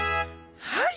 はい。